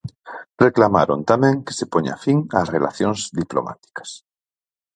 Reclamaron tamén que se poña fin ás relacións diplomáticas.